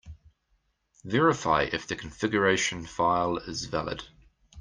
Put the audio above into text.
Verify if the configuration file is valid.